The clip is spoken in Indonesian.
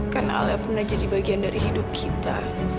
karena alia pernah jadi bagian dari hidup kita